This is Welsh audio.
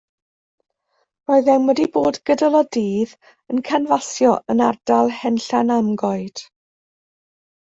Roeddem wedi bod gydol y dydd yn canfasio yn ardal Henllan Amgoed.